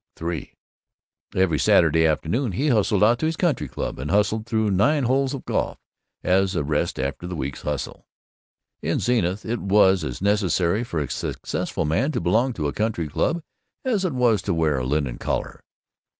III Every Saturday afternoon he hustled out to his country club and hustled through nine holes of golf as a rest after the week's hustle. In Zenith it was as necessary for a Successful Man to belong to a country club as it was to wear a linen collar.